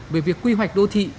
về việc quy hoạch đô thị